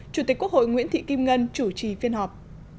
chủ tịch quốc hội nguyễn thị kim ngân chủ trì phiên họp